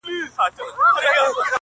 ته یوازی تنها نه یې -